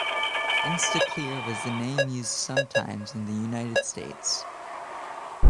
Instaclear was the name used sometimes in the United States.